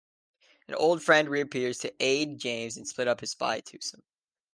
An old friend reappears to aid James and split up this spy twosome.